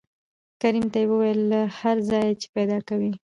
کريم ته يې وويل له هر ځايه چې پېدا کوې.